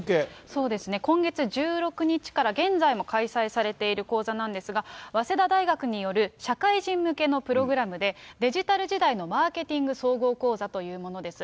そうですね、今月１６日から現在も開催されている講座なんですが、早稲田大学による社会人向けのプログラムで、デジタル時代のマーケティング総合講座というものです。